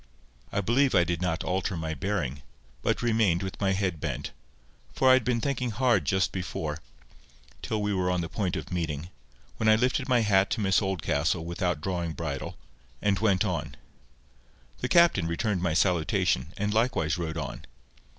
I believe I did not alter my bearing, but remained with my head bent, for I had been thinking hard just before, till we were on the point of meeting, when I lifted my hat to Miss Oldcastle without drawing bridle, and went on. The Captain returned my salutation, and likewise rode on.